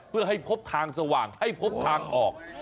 เพื่อให้พบทางสว่างให้พบทางออก